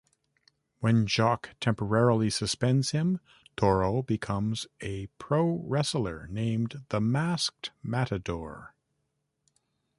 When Jock temporarily suspends him, Toro becomes a pro-wrestler named "The Masked Matador".